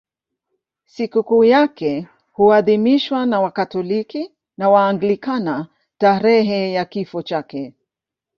Sikukuu yake huadhimishwa na Wakatoliki na Waanglikana tarehe ya kifo chake.